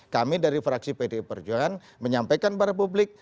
kami dari fraksi pd perjohan menyampaikan kepada publik